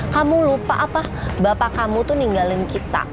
kamu lupa apa bapak kamu tuh ninggalin kita